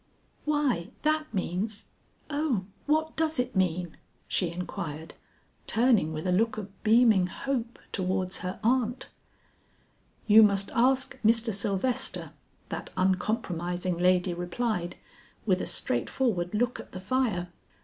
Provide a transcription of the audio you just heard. why that means O what does it mean?" she inquired, turning with a look of beaming hope towards her aunt. "You must ask Mr. Sylvester," that uncompromising lady replied, with a straightforward look at the fire.